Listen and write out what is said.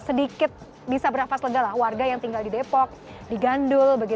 sedikit bisa bernafas lega lah warga yang tinggal di depok di gandul